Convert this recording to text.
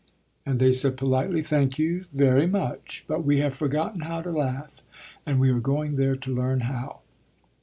And they said politely: "Thank you, very much, but we have forgotten how to laugh; and we are going there to learn how."